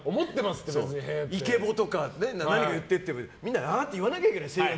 イケボとか何かやってっていうけどみんな言わなきゃいけない。